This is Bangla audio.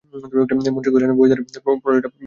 মন্ত্রী কহিলেন, বহির্দ্বারের প্রহরীরা পলাইয়া গেছে।